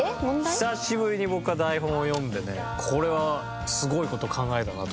久しぶりに僕は台本を読んでねこれはすごい事を考えたなと思いました